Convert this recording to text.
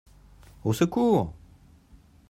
Au secours !